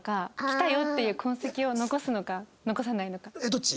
どっち？